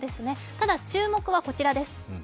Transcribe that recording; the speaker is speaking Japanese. ただ注目はこちらなんです。